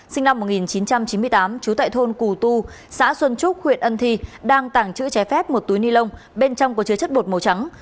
sinh năm một nghìn chín trăm chín mươi tám trú tại thôn cù tu xã xuân trúc huyện ân thi đang tàng trữ trái phép một túi ni lông bên trong có chứa chất bột màu trắng